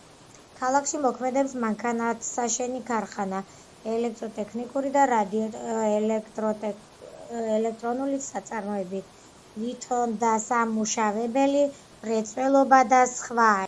ქალაქში მოქმედებს მანქანათსაშენი ქარხანა, ელექტროტექნიკური და რადიოელექტრონული საწარმოები, ლითონდასამუშავებელი მრეწველობა და სხვა.